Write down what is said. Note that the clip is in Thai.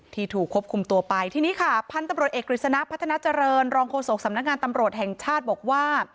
ถูกควบคุมตัวไปทีนี้ค่ะพันธุ์ตำรวจเอกกฤษณะพัฒนาเจริญรองโฆษกสำนักงานตำรวจแห่งชาติบอกว่า